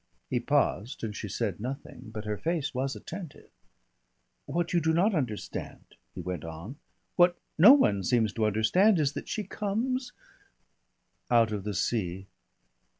He paused and she said nothing. But her face was attentive. "What you do not understand," he went on, "what no one seems to understand, is that she comes " "Out of the sea."